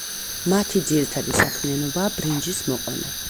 მათი ძირითადი საქმიანობაა ბრინჯის მოყვანა.